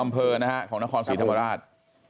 ๑๖อำเภอของนครศรีธรรมราช